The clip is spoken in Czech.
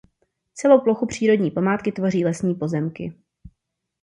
Celou plochu přírodní památky tvoří lesní pozemky.